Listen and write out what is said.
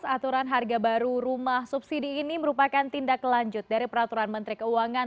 aturan harga baru rumah subsidi ini merupakan tindak lanjut dari peraturan menteri keuangan